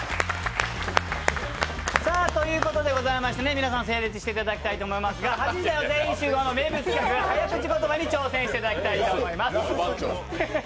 皆さん整列していただきたいと思いますが「８時だョ！全員集合」の名物企画早口言葉に挑戦していただきたいと思います。